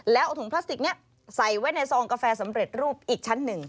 แล้วเอาถุงพลาสติกนี้ใส่ไว้ในซองกาแฟสำเร็จรูปอีกชั้นหนึ่ง